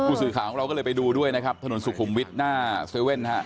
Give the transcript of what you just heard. สื่อข่าวของเราก็เลยไปดูด้วยนะครับถนนสุขุมวิทย์หน้าเซเว่นฮะ